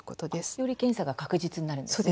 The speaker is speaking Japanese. より検査が確実になるんですね。